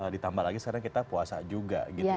ditambah lagi sekarang kita puasa juga gitu ya